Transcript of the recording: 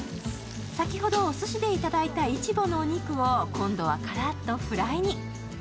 先ほどお寿司でいただいたイチボのお肉を今度はカラッとフライに。